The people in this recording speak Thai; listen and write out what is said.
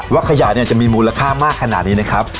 ขยะเนี่ยจะมีมูลค่ามากขนาดนี้นะครับ